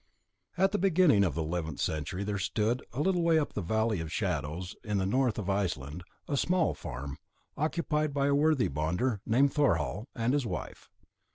At the beginning of the eleventh century there stood, a little way up the Valley of Shadows in the north of Iceland, a small farm, occupied by a worthy bonder, named Thorhall, and his wife.